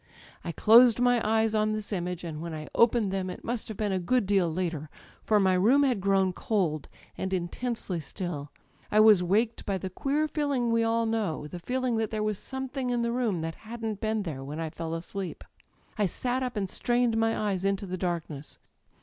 "I closed my eyes on this image, and when I opened them it must have been a good deal later, for my room had grown cold, an^ 'Utffnsfi!y «^'^^ I was waked by the queer feeling we all know â€" the feeling that there was something in the room that hadn't been there when I fell asleep. I sat up and strained my eyes into the dark ness.